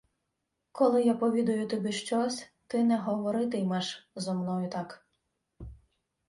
— Коли я повідаю тобі щось, ти не говорити-ймеш зо мною так.